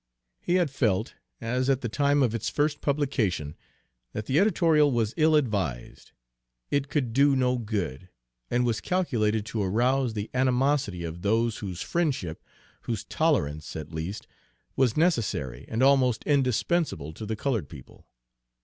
He had felt, as at the time of its first publication, that the editorial was ill advised. It could do no good, and was calculated to arouse the animosity of those whose friendship, whose tolerance, at least, was necessary and almost indispensable to the colored people.